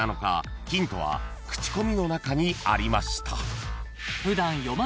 ［ヒントは口コミの中にありました］